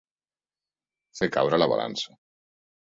Fer caure la balança.